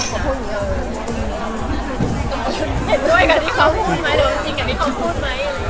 เขาก็รู้อยู่แล้วว่าเปอร์เซ็นต์มันก็ต้องมาทำเขา